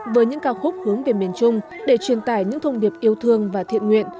với những ca khúc hướng về miền trung để truyền tải những thông điệp yêu thương và thiện nguyện